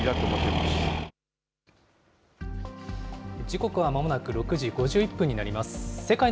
時刻はまもなく６時５１分になります。